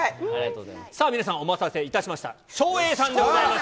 さあ皆さん、お待たせいたしました、照英さんでございます。